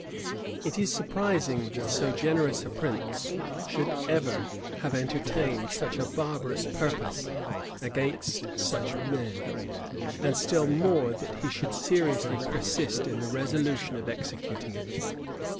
It is surprising that so generous a prince should ever have entertained such a barbarous purpose against such men; and still more that he should seriously persist in the resolution of executing it.